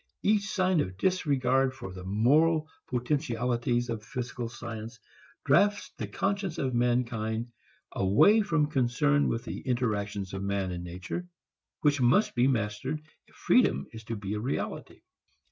Each sign of disregard for the moral potentialities of physical science drafts the conscience of mankind away from concern with the interactions of man and nature which must be mastered if freedom is to be a reality.